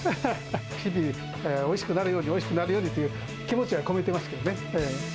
日々、おいしくなるように、おいしくなるようにという、気持ちは込めてますけどね。